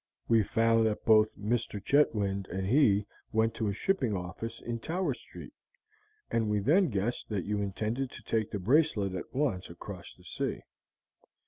We found that both Mr. Chetwynd and he went to a shipping office in Tower Street, and we then guessed that you intended to take the bracelet at once across the sea.